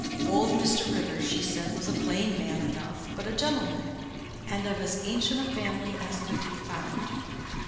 Old Mr. Rivers, she said, was a plain man enough, but a gentleman, and of as ancient a family as could be found.